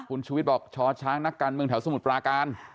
คุณชูวิทย์บอกช้อช้างนักการเมืองแถวสมุทรปราการ